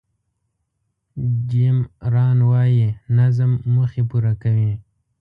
جیم ران وایي نظم موخې پوره کوي.